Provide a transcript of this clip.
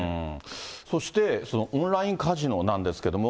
そして、オンラインカジノなんですけれども。